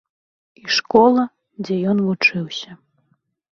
І школа, дзе ён вучыўся.